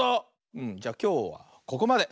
うんじゃきょうはここまで。